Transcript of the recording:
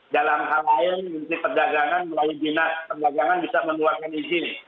dalam hal lain menteri perdagangan melalui dinas perdagangan bisa mengeluarkan izin